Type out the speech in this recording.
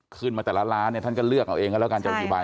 ขึ้นมาแต่ละล้านเนี่ยท่านก็เลือกเอาเองก็แล้วกันจะกี่ใบ